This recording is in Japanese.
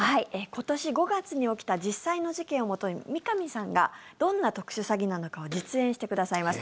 今年５月に起きた実際の事件をもとに三上さんがどんな特殊詐欺なのかを実演してくださいます。